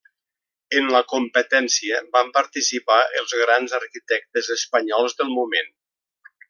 En la competència van participar els grans arquitectes espanyols del moment.